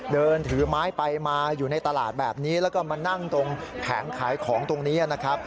เดินถือไม้ไปมาอยู่ในตลาดแบบนี้แล้วก็มานั่งตรงแผงขายของตรงนี้นะครับ